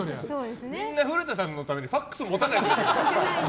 みんな、古田さんのためにＦＡＸ持たないと。